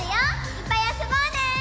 いっぱいあそぼうね！